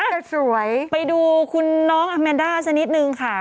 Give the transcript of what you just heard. แต่สวยอ่ะไปดูคุณน้องอัมแมนด่าชนิดหนึ่งค่ะ